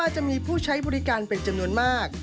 จะมีผู้ใช้บริการเป็นจำนวนมาก